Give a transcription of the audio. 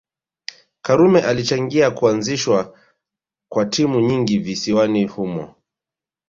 Karume alichangia kuazishwa kwa timu nyingi visiwani humo